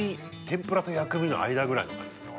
天ぷらと薬味の間ぐらいの感じですね